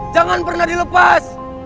jangan pernah dilepas